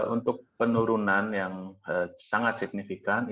untuk penurunan yang sangat signifikan